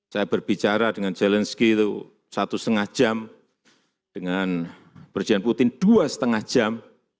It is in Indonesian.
saya berbicara dengan zelensky itu satu setengah jam dengan presiden putin dua lima jam